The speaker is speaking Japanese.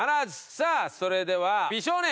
さあそれでは美少年！